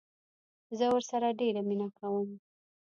زه ورسره ډيره مينه کوم